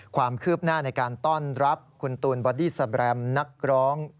ความคืบหน้าในการต้อนรับคุณตูนบอดี้สแรมนักร้อง